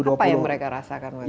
apa yang mereka rasakan waktu itu